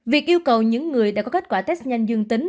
việc yêu cầu những người đã có kết quả test nhanh dương tính